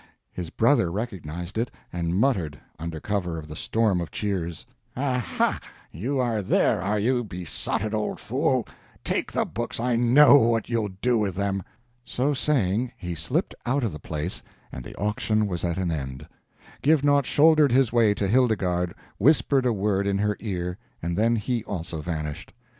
His brother recognized it, and muttered, under cover of the storm of cheers "Aha, you are there, are you, besotted old fool? Take the books, I know what you'll do with them!" So saying, he slipped out of the place and the auction was at an end. Givenaught shouldered his way to Hildegarde, whispered a word in her ear, and then he also vanished.